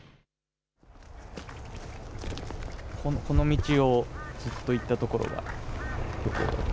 この道をずっと行ったところが。